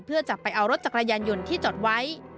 เพื่อจะไปเอารถจักรยานยนต์ที่จอดไว้